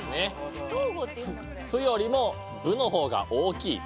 「ふ」よりも「ぶ」の方が大きい。